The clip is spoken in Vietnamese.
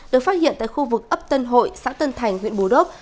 được phát hiện tại khu vực ấp tân hội xã tân thành huyện bù đốp